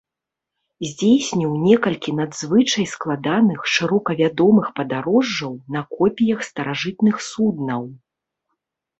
Здзейсніў некалькі надзвычай складаных шырока вядомых падарожжаў на копіях старажытных суднаў.